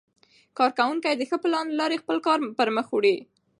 کارکوونکي د ښه پلان له لارې خپل کار پرمخ وړي